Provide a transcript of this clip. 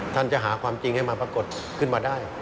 ท่านจะหาความจริงให้มาปรากฏขึ้นมาได้